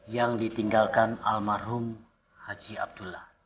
yang ditinggalkan almarhum haji abdullah